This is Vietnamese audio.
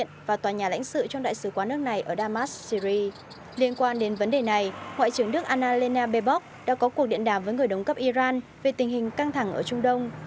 trong vấn đề này ngoại trưởng đức anna lena baebok đã có cuộc điện đàm với người đồng cấp iran về tình hình căng thẳng ở trung đông